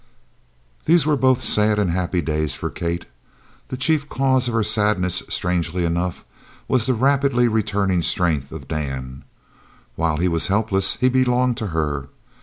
These were both sad and happy days for Kate. The chief cause of her sadness, strangely enough, was the rapidly returning strength of Dan. While he was helpless he belonged to her.